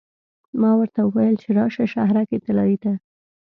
ما ورته وویل چې راشه شهرک طلایې ته.